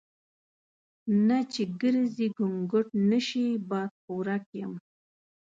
نه چې ګرزي ګونګټ نشي بادخورک یم.